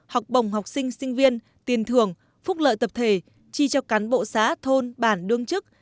học bồng học sinh sinh viên tiền thường phúc lợi tập thể tri cho cán bộ xã thôn bản đương chức